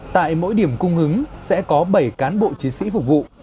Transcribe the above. tại mỗi điểm cung ứng sẽ có bảy cán bộ chiến sĩ phục vụ